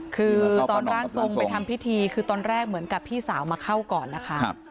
คือตอนร่างทรงไปทำพิธีคือตอนแรกเหมือนกับพี่สาวมาเข้าก่อนนะคะ